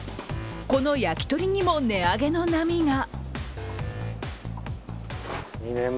この焼き鳥にも値上げの波が。